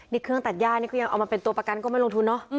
นี่เครื่องตัดย่านี่ก็ยังเอามาเป็นตัวประกันก็ไม่ลงทุนเนอะ